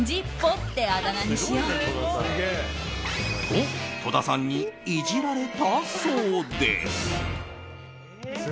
と、戸田さんにイジられたそうです。